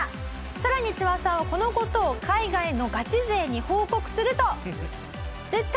さらにツワさんはこの事を海外のガチ勢に報告すると。